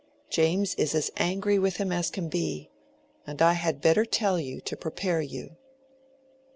James is as angry with him as can be. And I had better tell you, to prepare you."